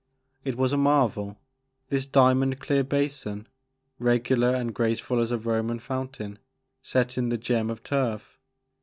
It was a marvel, this diamond clear basin, regular and graceful as a Roman fountain, set in the gem of turf.